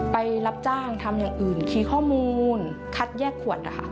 ไปรับจ้างทำอย่างอื่นขี่ข้อมูลคัดแยกขวดนะคะ